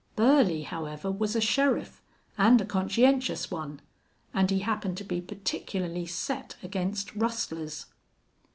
Burley, however, was a sheriff, and a conscientious one, and he happened to be particularly set against rustlers.